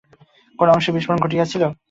কোন অংশে বিস্ফোরণ ঘটিয়েছিলে?